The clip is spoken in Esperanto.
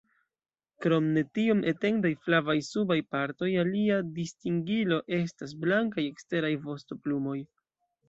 Krom ne tiom etendaj flavaj subaj partoj, alia distingilo estas blankaj eksteraj vostoplumoj.